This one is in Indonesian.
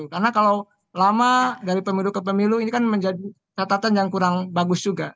karena kalau lama dari pemilu ke pemilu ini kan menjadi catatan yang kurang bagus juga